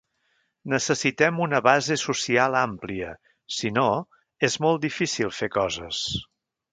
Necessitem una base social àmplia, si no és molt difícil fer coses.